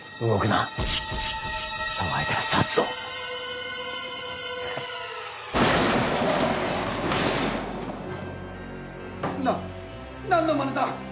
ななんのまねだ！？